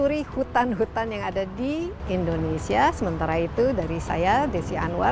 petugas dan ketua peternakan brunei